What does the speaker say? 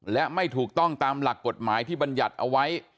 และไม่ถูกต้องตามหลักกฎหมายที่บรรยัติเอาไว้